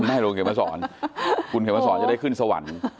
ไม่หรอกเกษมศรคุณเกษมศรจะได้ขึ้นสวรรค์